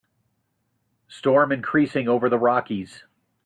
Storm increasing over the Rockies.